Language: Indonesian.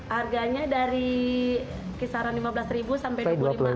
harganya dari kisaran lima belas ribu sampai dua puluh lima